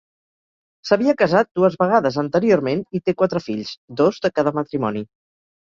S'havia casat dues vegades anteriorment i té quatre fills, dos de cada matrimoni.